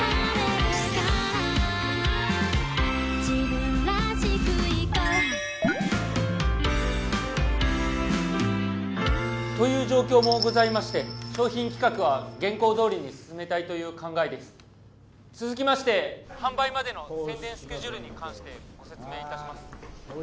フン！という状況もございまして商品企画は現行どおりに進めたいという考えです続きまして販売までの宣伝スケジュールに関して☎ご説明いたします